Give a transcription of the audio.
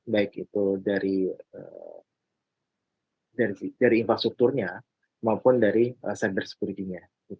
baik itu dari infrastrukturnya maupun dari cyber security nya